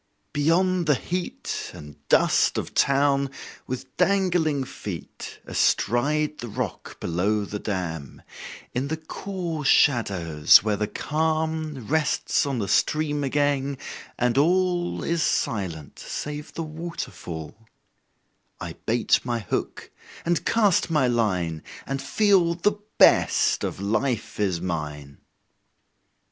Beyond the heat And dust of town, with dangling feet Astride the rock below the dam, In the cool shadows where the calm Rests on the stream again, and all Is silent save the waterfall, I bait my hook and cast my line, And feel the best of life is mine.